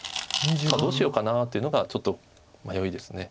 さあどうしようかなというのがちょっと迷いです。